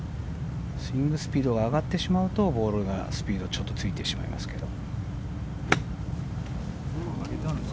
スイングスピードが上がってしまうとボールがスピードついてしまいますけど。